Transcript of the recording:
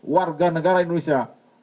warga negara indonesia